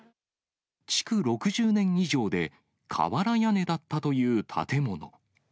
築６０年以上で、瓦屋根だったという建物。